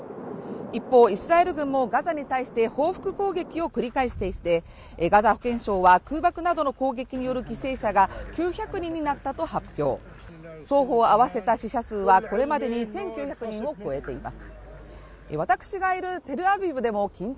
一方イスラエル軍もガザに対して報復攻撃を繰り返していてガザ保健省は空爆などの攻撃による犠牲者が９００人になったと発表双方合わせた死者数はこれまでに１９００人を超えています